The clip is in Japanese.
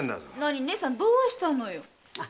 義姉さんどうしたのよ？